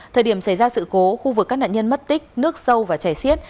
thời điểm xảy ra sự cố khu vực các nạn nhân mất tích nước sâu và chảy xiết